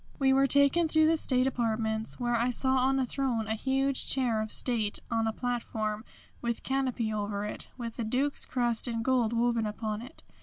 We were taken through the state apartments where I saw on a throne a huge chair of state on a platform, with canopy over it, with the Duke's crest in gold woven upon it.